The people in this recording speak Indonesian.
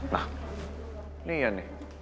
nah ini iyan deh